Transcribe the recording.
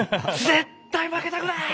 「絶対負けたくない！」